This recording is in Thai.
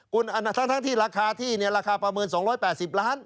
คุณทั้งที่ราคาที่เนี่ยราคาประเมิน๒๘๐ล้าน